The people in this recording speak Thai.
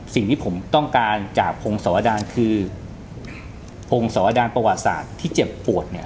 สิ่งที่ผมต้องการจากพงศวดารคือพงศวดานประวัติศาสตร์ที่เจ็บปวดเนี่ย